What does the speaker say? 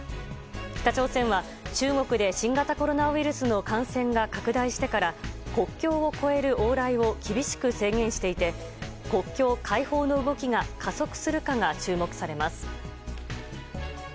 北朝鮮は、中国で新型コロナウイルスの感染が拡大してから国境を越える往来を厳しく制限していて国境開放の動きが加速するかが注目されます。